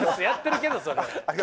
やってるけどそれ。